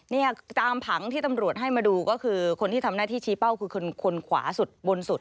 เนี่ยตามผังที่ตำรวจให้มาดูก็คือคนที่ทำหน้าที่ชี้เป้าคือคนขวาสุดบนสุด